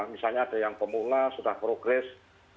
misalnya ada yang pemula sudah progres